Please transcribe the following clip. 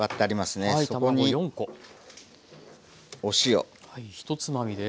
お塩。